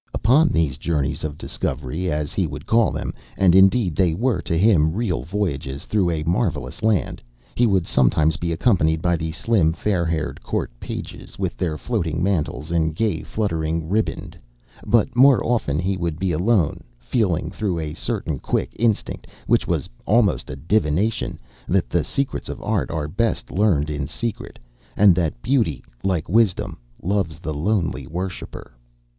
Upon these journeys of discovery, as he would call them—and, indeed, they were to him real voyages through a marvellous land, he would sometimes be accompanied by the slim, fair haired Court pages, with their floating mantles, and gay fluttering ribands; but more often he would be alone, feeling through a certain quick instinct, which was almost a divination, that the secrets of art are best learned in secret, and that Beauty, like Wisdom, loves the lonely worshipper.